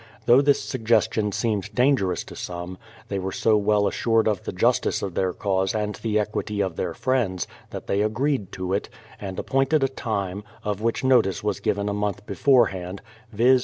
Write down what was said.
Though this sugges tion seemed dangerous to some, they were so well assured of the justice of their cause and the equity of their friends, that they agreed to it, and appointed a time, of which notice was given a month beforehand, viz.